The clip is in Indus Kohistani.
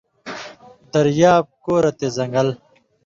دریاب، کورہ تے زنٚگل